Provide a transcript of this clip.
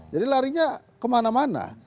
jadi larinya kemana mana